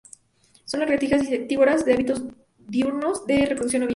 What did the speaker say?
Son lagartijas insectívoras de hábitos diurnos y de reproducción ovípara.